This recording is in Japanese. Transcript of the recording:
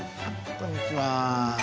こんにちは。